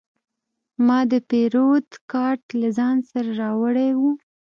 ما د پیرود کارت له ځان سره راوړی و.